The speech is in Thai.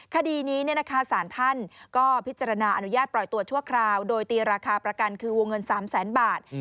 คดีนี้สารท่านก็พิจารณาอนุญาตปล่อยตัวชั่วคราวโดยตีราคาประกันคือวงเงิน๓แสนบาท